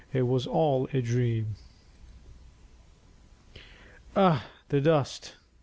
IT WAS ALL A DREAM. "Ugh! the dust!"